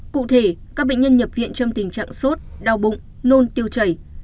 cụ thể các bệnh nhân nhập viện trong tình trạng sốt đau bụng nôn tiêu chảy